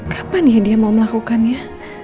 kapan ya dia mau melakukannya